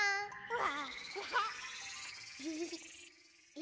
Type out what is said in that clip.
「わ！」